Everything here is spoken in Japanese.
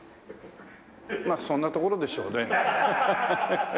まあそんなところでしょうね。